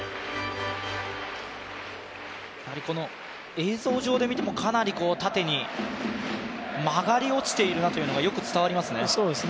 映像上で見ても、かなり縦に曲がり落ちているのがよく伝わりますね。